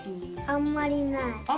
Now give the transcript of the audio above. あんまりない。